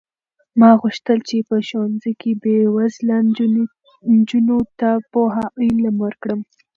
ما غوښتل چې په ښوونځي کې بې وزله نجونو ته پوهه او علم ورکړم.